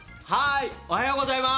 おはようございます。